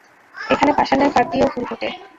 এখানে পাষাণের ফাঁক দিয়েও ফুল ফোটে।